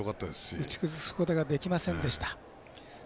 打ち崩すことができませんでした。